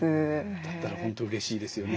だったら本当うれしいですよね。